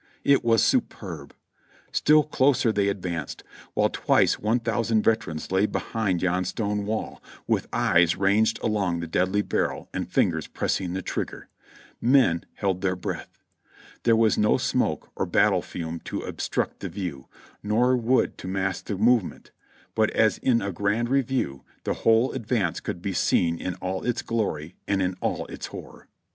It was superb ! Still closer they advanced, while twice one thousand veterans lay behind yon stone wall, with eyes ranged along the deadly barrel and fingers pressing the trigger. Men held their lireath. There was no smoke or battle fume to obstruct the view, nor wood to mask the movement : but as in a grand review, the whole advance could be seen in all its glor}' and in all its horror.